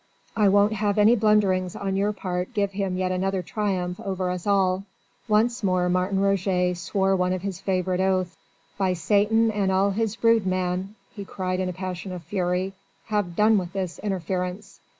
I won't have any blunderings on your part give him yet another triumph over us all." Once more Martin Roget swore one of his favourite oaths. "By Satan and all his brood, man," he cried in a passion of fury, "have done with this interference.